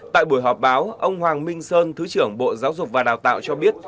tại buổi họp báo ông hoàng minh sơn thứ trưởng bộ giáo dục và đào tạo cho biết